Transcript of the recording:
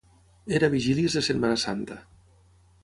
Era a vigílies de Setmana Santa.